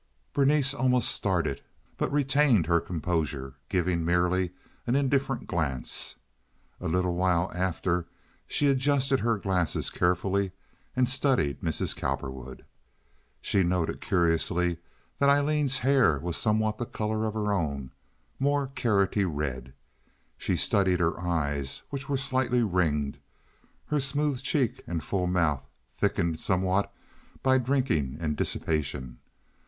Berenice almost started, but retained her composure, giving merely an indifferent glance. A little while after, she adjusted her glasses carefully and studied Mrs. Cowperwood. She noted curiously that Aileen's hair was somewhat the color of her own—more carroty red. She studied her eyes, which were slightly ringed, her smooth cheeks and full mouth, thickened somewhat by drinking and dissipation.